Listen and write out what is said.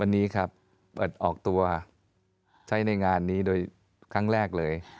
วันนี้ครับเปิดออกตัวใช้ในงานนี้โดยครั้งแรกเลย